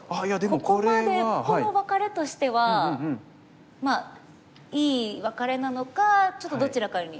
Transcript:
ここまでここのワカレとしてはまあいいワカレなのかちょっとどちらかに。